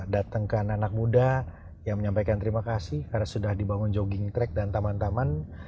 datangkan anak muda yang menyampaikan terima kasih karena sudah dibangun jogging track dan taman taman